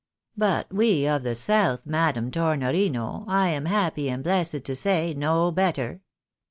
" But we of the south, Madam Tornorino, I am happy and blessed to say, know better.